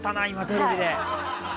テレビで。